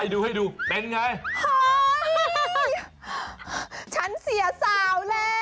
ดูอีกทีอ้า